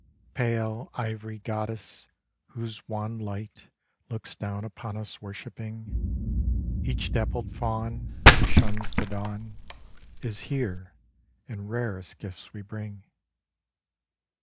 Pale iv'ry Goddess whose wan light Looks down upon us worshipping — Each dappled faun Who shuns the dawn, Is here, and rarest gifts we bring — 17 Song of the Fauns.